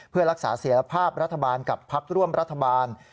เพื่อรักษาเสียรภาพรัฐบาลกับพักร่วมรัฐบาล